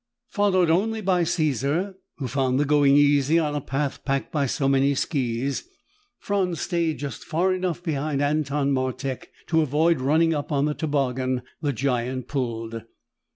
Followed only by Caesar, who found the going easy on a path packed by so many skis, Franz stayed just far enough behind Anton Martek to avoid running up on the toboggan the giant pulled.